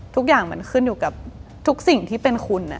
ทุกอย่างมันขึ้นอยู่กับทุกสิ่งที่เป็นคุณ